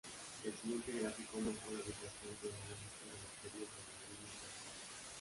El siguiente gráfico muestra la ubicación cronológica de las series en la línea temporal.